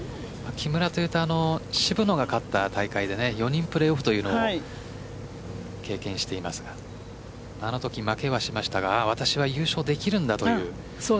木村というと渋野が勝った大会で４人プレーオフというのを経験していますがあの時、負けはしましたが私は優勝できるんだという。